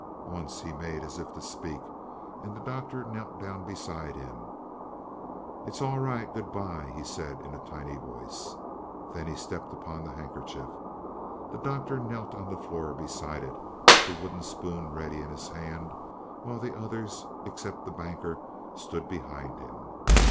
Once he made, as if to speak, and the Doctor knelt down beside him. "It's all right, good by," he said in a tiny voice. Then he stepped upon the handkerchief. The Doctor knelt on the floor beside it, the wooden spoon ready in his hand, while the others, except the Banker, stood behind him.